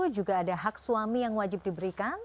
juga ada hak suami yang wajib diberikan